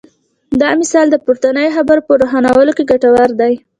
دا مثال د پورتنیو خبرو په روښانولو کې ګټور دی.